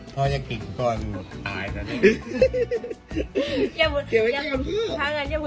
พอท่ออยู่ข้างหลัง